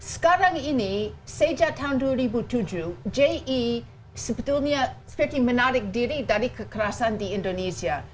sekarang ini sejak tahun dua ribu tujuh ji sebetulnya seperti menarik diri dari kekerasan di indonesia